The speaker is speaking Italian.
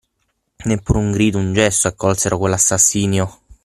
Neppure un grido, un gesto, accolsero quell'assassinio.